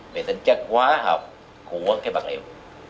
về tính chất hóa học của vật liệu